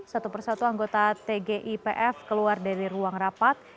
satu persatu anggota tgipf keluar dari ruang rapat